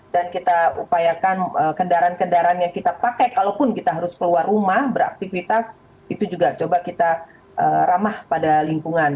dan kita upayakan kendaraan kendaraan yang kita pakai kalaupun kita harus keluar rumah beraktivitas itu juga coba kita ramah pada lingkungan